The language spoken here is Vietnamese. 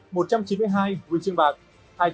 một trăm chín mươi hai huy chương bạc